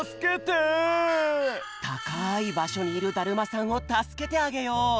たかいばしょにいるだるまさんをたすけてあげよう。